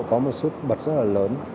có một sức bật rất là lớn